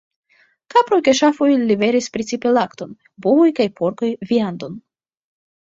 Kaproj kaj ŝafoj liveris precipe lakton, bovoj kaj porkoj viandon.